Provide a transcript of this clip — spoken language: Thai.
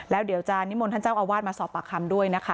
แล้วเดี๋ยวจะนิมนต์ท่านเจ้าอาวาสมาสอบปากคำด้วยนะคะ